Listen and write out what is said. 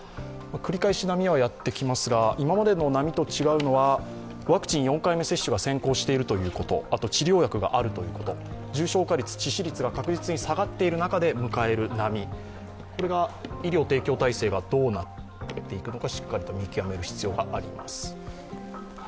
繰り返し波はやってきますが今までの波と違うのはワクチン４回目接種が先行しているということ治療薬があるということ重症化率、致死率が確実に下がっている中で迎える波医療提供体制がどうなっていくのかしっかりと見極める必要があります。